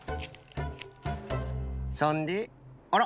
そんであら？